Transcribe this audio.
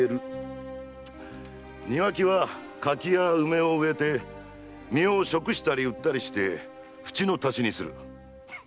庭木は柿や梅を植えて実を食したり売ったりして扶持の足しにする。